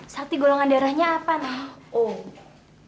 sakti golongan darahnya apa non